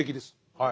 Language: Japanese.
はい。